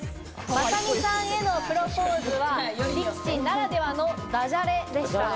雅美さんへのプロポーズは力士ならではのダジャレでした。